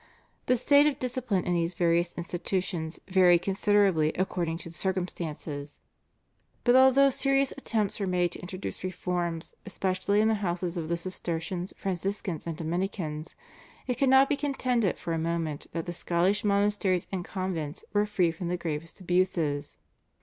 The state of discipline in these various institutions varied considerably according to circumstances, but although serious attempts were made to introduce reforms especially in the houses of the Cistercians, Franciscans, and Dominicans, it cannot be contended for a moment that the Scottish monasteries and convents were free from the gravest abuses.